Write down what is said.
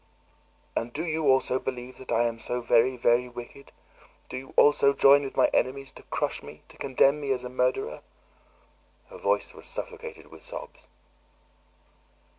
"And do you also believe that I am so very, very wicked? Do you also join with my enemies to crush me, to condemn me as a murderer?" Her voice was suffocated with sobs.